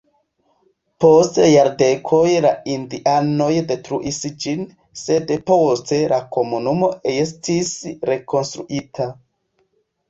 Post jardekoj la indianoj detruis ĝin, sed poste la komunumo estis rekonstruita.